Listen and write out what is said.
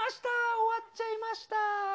終わっちゃいました。